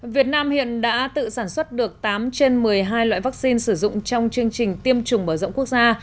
việt nam hiện đã tự sản xuất được tám trên một mươi hai loại vaccine sử dụng trong chương trình tiêm chủng mở rộng quốc gia